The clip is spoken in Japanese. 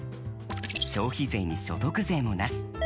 消費税に所得税もなし。